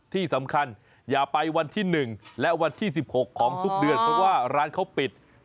ที่สำคัญอย่าไปวันที่๑และวันที่๑๖ของทุกเดือนเพราะว่าร้านเขาปิด